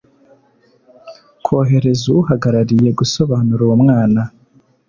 kohereza uwuhagarariye gusobanura uwo mwana